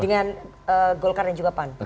dengan golkar dan juga pan